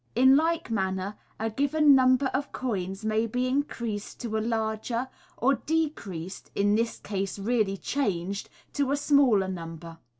In like manner, a given number of coins may be in creased to a larger, or decreased (in this case really changed) to a smaller number.